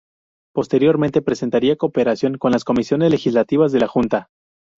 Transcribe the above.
Posteriormente prestaría cooperación con las comisiones legislativas de la Junta.